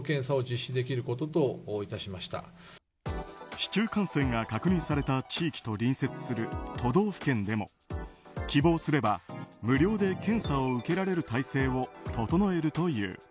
市中感染が確認された地域と隣接する都道府県でも希望すれば、無料で検査を受けられる体制を整えるという。